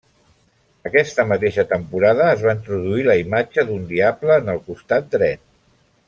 Aquesta mateixa temporada es va introduir la imatge d'un diable en el costat dret.